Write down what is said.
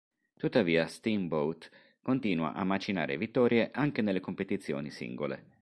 Tuttavia, Steamboat continua a macinare vittorie anche nelle competizioni singole.